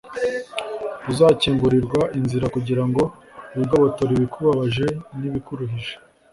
uzakingurirwa inzira kugira ngo wigobotore ibikubabaje n’ibikuruhije